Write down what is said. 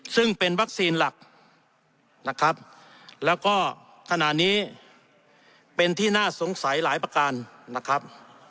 ซึ่งเป็นวัคซีนหลักนะครับแล้วก็ขณะนี้เป็นที่น่าสงสัยหลายประการนะครับ